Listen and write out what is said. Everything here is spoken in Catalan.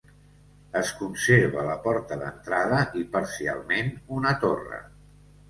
Es conserva la porta d'entrada i parcialment una torre.